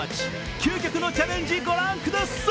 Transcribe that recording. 究極のチャレンジ、ご覧ください。